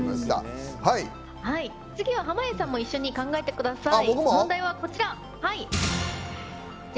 次は濱家さんも一緒に考えてください。